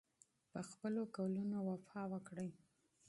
پخپلو ژمنو وفا وکړئ.